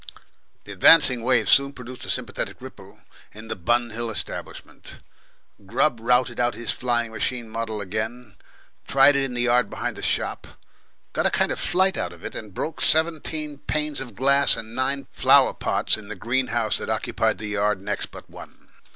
The advancing wave soon produced a sympathetic ripple in the Bun Hill establishment. Grubb routed out his flying machine model again, tried it in the yard behind the shop, got a kind of flight out of it, and broke seventeen panes of glass and nine flower pots in the greenhouse that occupied the next yard but one.